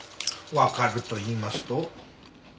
わかるといいますと？